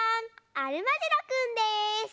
アルマジロくんです！